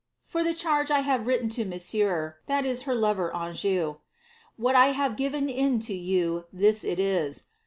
*Yor the charge I have written to Monsieur (her lover Anjou), what I have fhrea in to you, this it is.